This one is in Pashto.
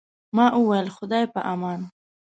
ما وویل، د خدای په امان.